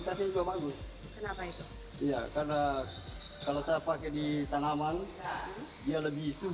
nah ini sudah berhasil